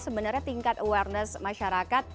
sebenarnya tingkat awareness masyarakat